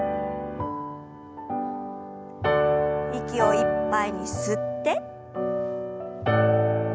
息をいっぱいに吸って。